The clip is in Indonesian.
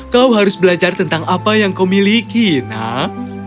kau harus belajar tentang apa yang kau miliki nak